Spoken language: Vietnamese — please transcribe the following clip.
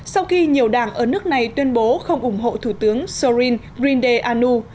sau khi nhiều đảng ở nước này tuyên bố không ủng hộ thủ tướng sorin rindeanu